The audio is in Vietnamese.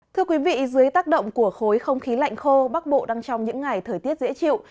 thưa quý vị dưới tác động của khối không khí lạnh khô bắc bộ đang trong những ngày thời tiết dễ chịu